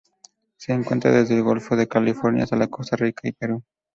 Se encuentra desde el Golfo de California hasta Costa Rica y Perú.